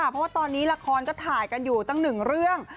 เพราะว่าตอนนี้ละครก็ถ่ายกันอยู่ตั้งหนึ่งเรื่อง